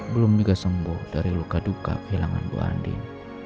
belum juga sembuh dari luka duka kehilangan bu andien